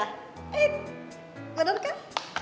eh bener kan